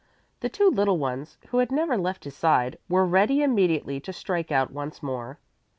The two little ones, who had never left his side, were ready immediately to strike out once more.